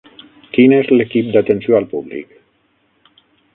Quin és l'equip d'atenció al públic?